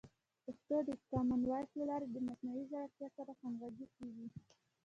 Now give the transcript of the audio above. پښتو د کامن وایس له لارې د مصنوعي ځیرکتیا سره همغږي کیږي.